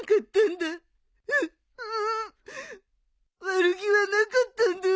悪気はなかったんだ。